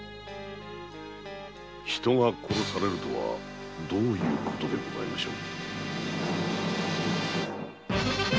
人が殺されるとはどういうことでございましょう。